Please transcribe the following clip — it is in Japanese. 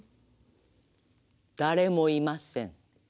誰もいません。